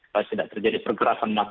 kalau tidak terjadi pergerakan masyarakat